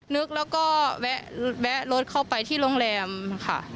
นึกแล้วก็แวะรถเข้าไปที่โรงแรมค่ะ